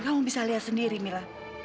kamu bisa lihat sendiri mila